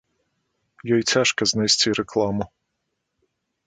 Ёй цяжка знайсці рэкламу.